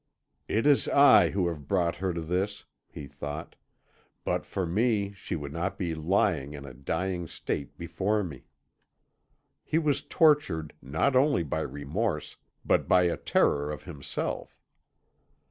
"It is I who have brought her to this," he thought. "But for me she would not be lying in a dying state before me." He was tortured not only by remorse, but by a terror of himself.